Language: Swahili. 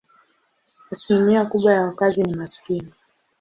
Asilimia kubwa ya wakazi ni maskini.